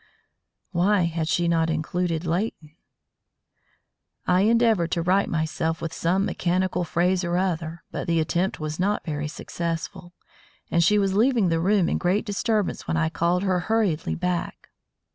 Why had she not included Leighton? I endeavoured to right myself with some mechanical phrase or other, but the attempt was not very successful, and she was leaving the room in great disturbance when I called her hurriedly back.